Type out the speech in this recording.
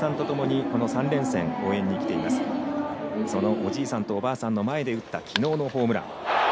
おじいさんとおばあさんの前で打ったきのうのホームラン。